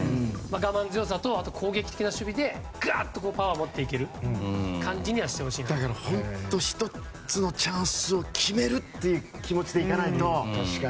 我慢強さと攻撃的な守備でがっとパワーを持っていけるだから１つのチャンスを決める！っていう気持ちでいかないと。